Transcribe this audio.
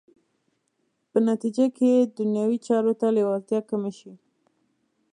په نتیجه کې دنیوي چارو ته لېوالتیا کمه شي.